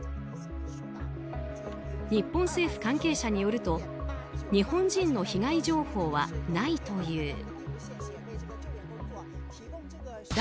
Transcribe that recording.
日本政府関係者によると日本人の被害情報はないという。